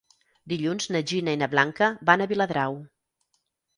Dilluns na Gina i na Blanca van a Viladrau.